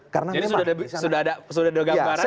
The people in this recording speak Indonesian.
jadi sudah ada gambaran